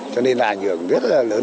cho nên là ảnh hưởng rất lớn